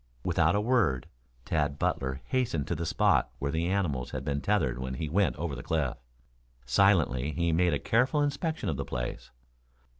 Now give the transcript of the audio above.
Without a word, Tad Butler hastened to the spot where the animals had been tethered when he went over the cliff. Silently he made a careful inspection of the place.